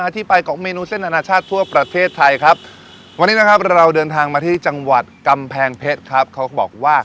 ที่จังหวัดกำแพงเพชรนะครับ